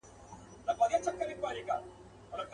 څه به کړو چي دا دریاب راته ساحل شي.